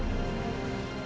tidak ada apa apa